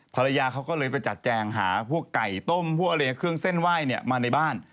ภรรยาเขาก็เลยไปจัดแจงหาพวกไก่ต้มพวกอะไรเครื่องเส้นไหว้มาในบ้าน